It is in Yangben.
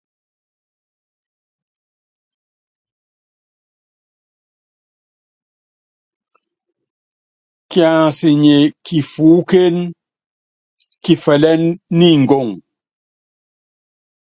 Kiansɛ nyɛ kifuúkén, kifɛlɛ́n ni ngoŋ.